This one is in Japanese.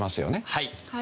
はい。